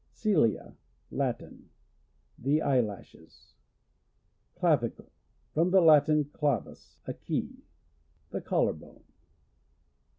Cilia. — Latin. The eye lashes. Clavicle. — From the Latin, clavis, a key. The collar bone.